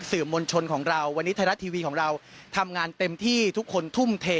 สื่อมวลชนของเราวันนี้ไทยรัฐทีวีของเราทำงานเต็มที่ทุกคนทุ่มเท